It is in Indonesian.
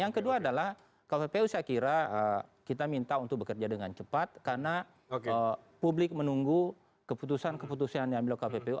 yang kedua adalah kppu saya kira kita minta untuk bekerja dengan cepat karena publik menunggu keputusan keputusan yang diambil oleh kppu